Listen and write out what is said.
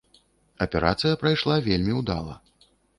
Аперацыя прайшла вельмі ўдала.